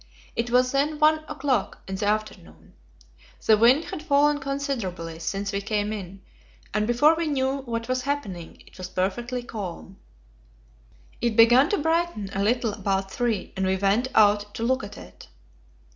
It was then one o'clock in the afternoon. The wind had fallen considerably since we came in, and before we knew what was happening, it was perfectly calm. It began to brighten a little about three, and we went out to look at it.